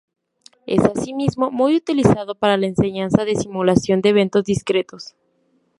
Es asimismo muy utilizado para la enseñanza de simulación de eventos discretos.